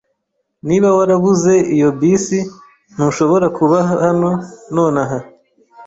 Niba warabuze iyo bisi, ntushobora kuba hano nonaha.